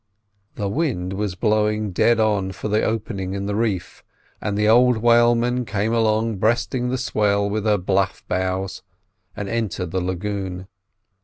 The wind was blowing dead on for the opening in the reef, and the old whaleman came along breasting the swell with her bluff bows, and entered the lagoon.